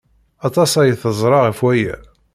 Aṭas ay teẓra ɣef waya.